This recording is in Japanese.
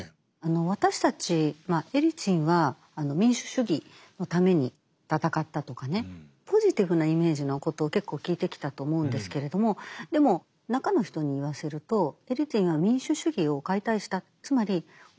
私たちエリツィンは民主主義のために戦ったとかねポジティブなイメージのことを結構聞いてきたと思うんですけれどもでも中の人に言わせると初めから。